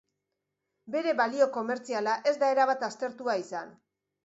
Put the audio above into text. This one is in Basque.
Bere balio komertziala ez da erabat aztertua izan.